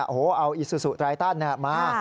โอ้โหเอาอิซูซูไตรตันมา